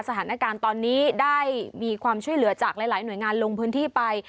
สถานการณ์ตอนนี้ได้มีความช่วยเหลือจากหลายหน่วยงานลงพื้นที่ไป